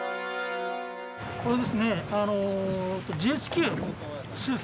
これですね。